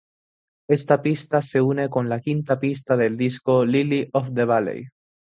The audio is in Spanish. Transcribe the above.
Esta pista se une con la quinta pista del disco Lily of the Valley.